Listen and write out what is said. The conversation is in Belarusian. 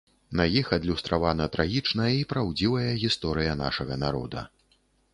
На іх адлюстравана трагічная і праўдзівая гісторыя нашага народа.